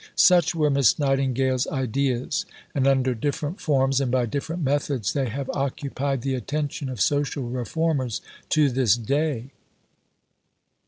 Such were Miss Nightingale's ideas, and under different forms and by different methods they have occupied the attention of social reformers to this day.